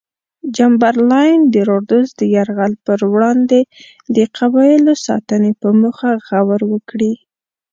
چمبرلاین د رودز د یرغل پر وړاندې د قبایلو ساتنې په موخه غور وکړي.